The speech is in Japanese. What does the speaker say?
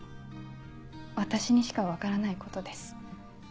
私にしか分からないことです。